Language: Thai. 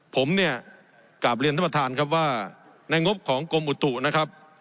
ผมเนี่ยกลับเรียนท่านประธานครับว่าในงบของกรมอุตุนะครับ